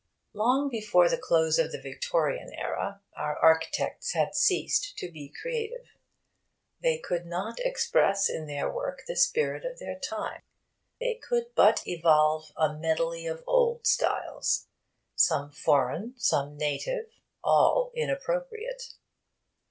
Long before the close of the Victorian Era our architects had ceased to be creative. They could not express in their work the spirit of their time. They could but evolve a medley of old styles, some foreign, some native, all inappropriate.